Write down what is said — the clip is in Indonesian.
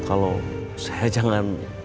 kalau saya jangan